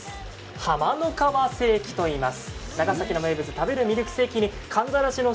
浜の川セーキといいます。